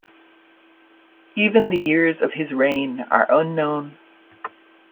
Even the years of his reign are unknown.